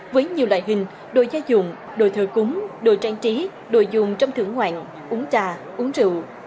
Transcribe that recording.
với nhiều loại hình đồ giá dùng đồ thơ cúng đồ trang trí đồ dùng trong thưởng hoạng uống trà uống rượu